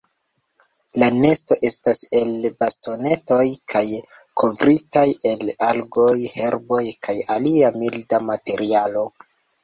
La nesto estas el bastonetoj kaj kovritaj el algoj, herboj kaj alia milda materialo.